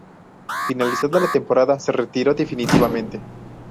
Finalizada la temporada se retiró definitivamente.